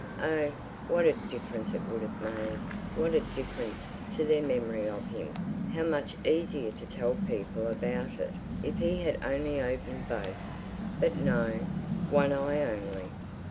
Oh, what a difference it would have made, what a difference to their memory of him, how much easier to tell people about it, if he had only opened both! But no—one eye only.